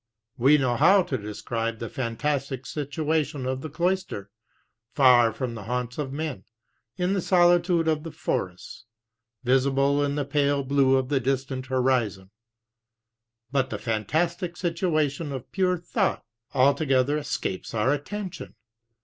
We know how to describe the fantastic situation of the cloister, far from the haunts of men, in the solitude of the forests, visible in the pale blue of the distant horizon; but the fantastic situation of pure thought altogether escapes our attention.